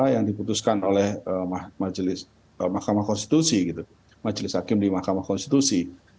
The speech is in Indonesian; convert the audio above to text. yang diputuskan oleh majelis hakim di mahkamah konstitusi